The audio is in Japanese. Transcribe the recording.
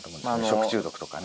食中毒とかね。